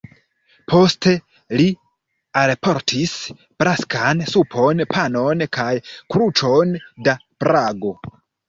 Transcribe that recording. Poste li alportis brasikan supon, panon kaj kruĉon da "brago".